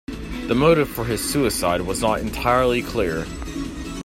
The motive for his suicide was not entirely clear.